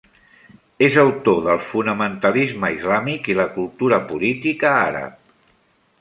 És autor del "Fonamentalisme islàmic i la cultura política àrab".